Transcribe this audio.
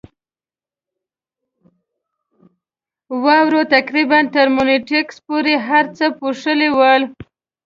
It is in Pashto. واورو تقریباً تر مونیټریکس پورې هر څه پوښلي ول.